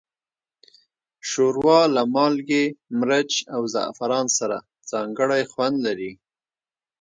ښوروا له مالګې، مرچ، او زعفران سره ځانګړی خوند لري.